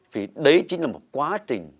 vì đấy chính là một quá trình